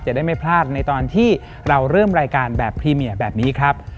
ได้ไม่พลาดในตอนที่เราเริ่มรายการแบบพรีเมียแบบนี้ครับ